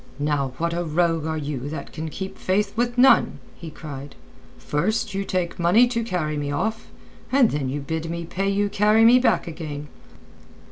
"Now what a rogue are you that can keep faith with none!" he cried. "First you take money to carry me off; and then you bid me pay you to carry me back again."